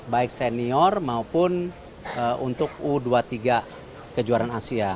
baik senior maupun untuk u dua puluh tiga kejuaraan asia